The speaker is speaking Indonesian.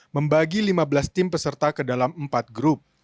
membagi lima belas tim peserta ke dalam empat grup